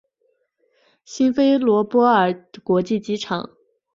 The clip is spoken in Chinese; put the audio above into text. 辛菲罗波尔国际机场。